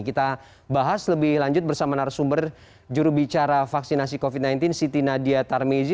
kita bahas lebih lanjut bersama narasumber jurubicara vaksinasi covid sembilan belas siti nadia tarmizi